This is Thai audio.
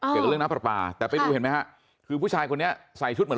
เกี่ยวกับเรื่องน้ำปลาปลาแต่ไปดูเห็นไหมฮะคือผู้ชายคนนี้ใส่ชุดเหมือน